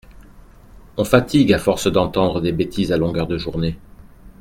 On fatigue à force d’entendre des bêtises à longueur de journée.